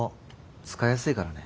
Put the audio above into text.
使いやすいからね。